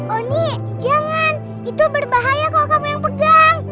oni jangan itu berbahaya kalau kamu yang pegang